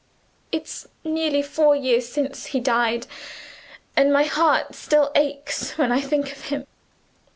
It's nearly four years since he died, and my heart still aches when I think of him.